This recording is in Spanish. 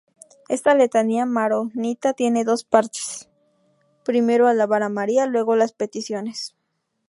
Esta letanía maronita tiene dos partes: primero alabar a María, luego las peticiones.